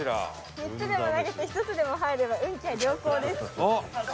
「三つでも投げて一つでも入れば運気は良好です」